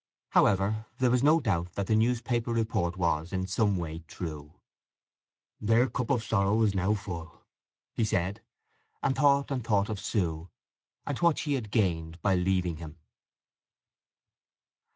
However, there was no doubt that the newspaper report was in some way true. "Their cup of sorrow is now full!" he said: and thought and thought of Sue, and what she had gained by leaving him.